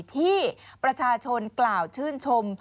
ที่ประชาชนกล่าวชื่นชม